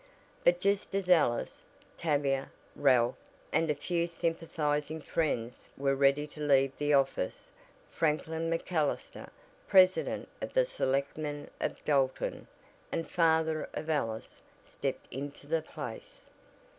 But just as Alice, Tavia, Ralph, and a few sympathizing friends were ready to leave the office Franklin MacAllister, president of the Selectmen of Dalton, and father of Alice, stepped into the place.